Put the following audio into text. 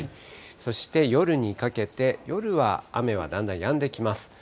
そして夜にかけて、夜は雨はだんだんやんできます。